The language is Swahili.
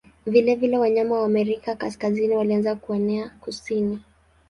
Vilevile wanyama wa Amerika Kaskazini walianza kuenea kusini.